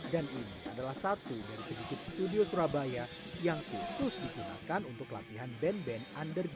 dan ini adalah satu dari segitip studio surabaya yang khusus dikenakan untuk latihan band band underground